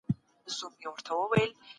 کروندګر جلا ژوند لري.